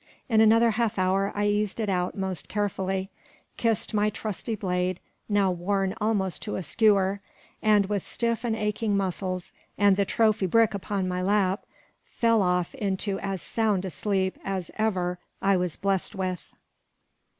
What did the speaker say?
In another half hour, I eased it out most carefully, kissed my trusty blade, now worn almost to a skewer, and with stiff and aching muscles, and the trophy brick upon my lap, fell off into as sound a sleep as ever I was blest with.